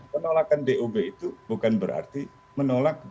penolakan dob itu bukan berarti menolak